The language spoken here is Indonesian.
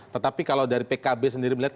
tetapi kalau dari pkb sendiri melihat